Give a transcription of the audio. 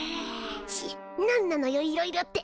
チッなんなのよいろいろって。